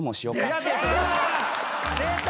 出た！